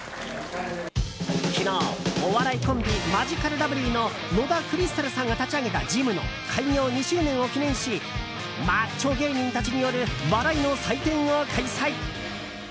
昨日、お笑いコンビマヂカルラブリーの野田クリスタルさんが立ち上げたジムの開業２周年を記念しマッチョ芸人たちによる笑いの祭典を開催。